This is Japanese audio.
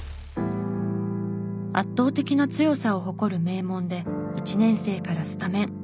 圧倒的な強さを誇る名門で１年生からスタメン。